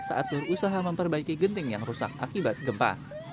saat berusaha memperbaiki genting yang rusak akibat gempa